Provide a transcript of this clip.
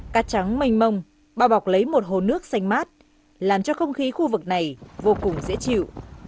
cát trắng mênh mông bao bọc lấy một hồ nước xanh mát làm cho không khí khu vực này vô cùng dễ chịu